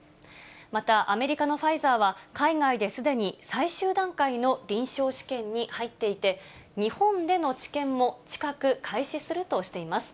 また、アメリカのファイザーは、海外ですでに最終段階の臨床試験に入っていて、日本での治験も近く開始するとしています。